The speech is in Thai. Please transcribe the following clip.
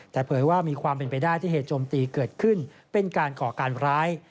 แต่เผยว่ามีความเป็นไปได้ที่เหตุโจมตีเกิดขึ้นเป็นการก่อการร้าย